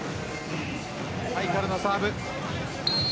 ハイカルのサーブ。